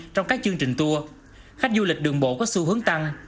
trong các chương trình tour khách du lịch đường bộ có xu hướng tăng